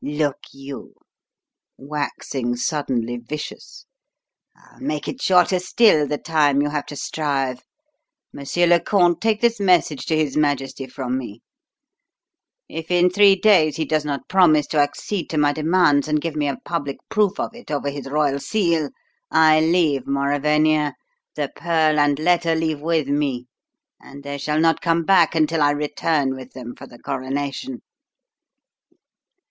Look you," waxing suddenly vicious, "I'll make it shorter still, the time you have to strive. Monsieur le Comte, take this message to his Majesty from me: If in three days he does not promise to accede to my demands and give me a public proof of it over his royal seal, I leave Mauravania the pearl and letter leave with me, and they shall not come back until I return with them for the coronation."